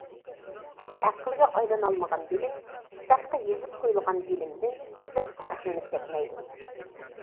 ئەقىلگە ئايلىنالمىغان بىلىم كىتابقا يېزىپ قويۇلغان بىلىمدىن جىق پەرقلىنىپ كەتمەيدۇ.